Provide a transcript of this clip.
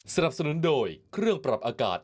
สนับสนุนโดยเครื่องปรับอากาศ